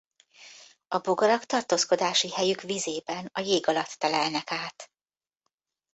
A bogarak tartózkodási helyük vízében a jég alatt telelnek át.